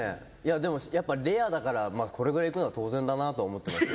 でも、やっぱ、レアだからこれぐらいいくのは当然だなとは思ってました。